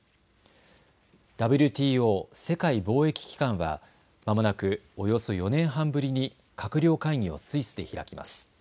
ＷＴＯ・世界貿易機関はまもなくおよそ４年半ぶりに閣僚会議をスイスで開きます。